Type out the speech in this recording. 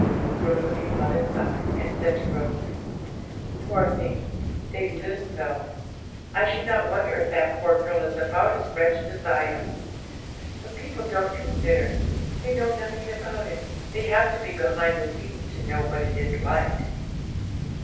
Rosalie's mother sighed, and said to Rosalie, 'Poor things! they little know; I should not wonder if that poor girl is about as wretched as I am. But people don't consider; they know nothing about it; they have to be behind the scenes to know what it is like.'